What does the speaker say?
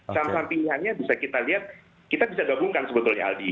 saham saham pilihannya bisa kita lihat kita bisa gabungkan sebetulnya aldi